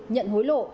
nhận hối lộ